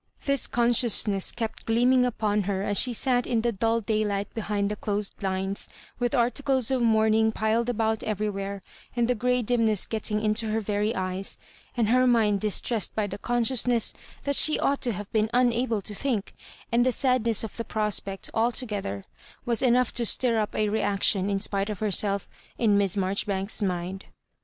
This consciousness kept gleaming upon her as she sat iu the dull daylight behind the closed blinds, with articles of • mourning piled about everywhere, and the grey dimness getting into her very eyes, and her mind dis tressed by the consciousness that she ought to have been unable to think ; and the sadness of the prospect altogether was enough to stir up a reaction, in spite of herself in Miss Marjori bauks's haind.